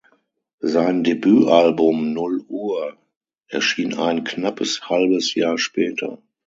Sein Debütalbum "Null Uhr" erschien ein knappes halbes Jahr später.